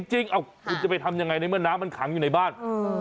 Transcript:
จริงคุณจะไปทำยังไงในเมื่อน้ำมันขังอยู่ในบ้าน